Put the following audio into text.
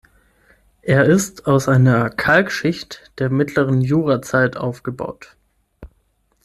Er ist aus einer Kalkschicht der mittleren Jurazeit aufgebaut.